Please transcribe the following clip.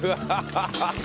ハハハハ！